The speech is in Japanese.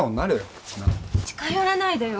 近寄らないでよ